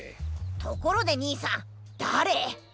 ところでにいさんだれ？